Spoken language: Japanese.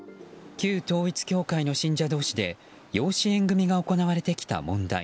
旧統一教会の信者同士で養子縁組が行われてきた問題。